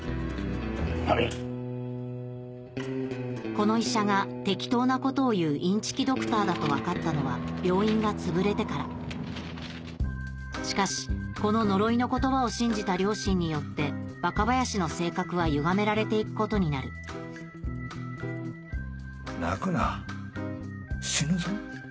この医者が適当なことを言うインチキドクターだと分かったのは病院がつぶれてからしかしこの呪いの言葉を信じた両親によって若林の性格はゆがめられていくことになる泣くな死ぬぞ。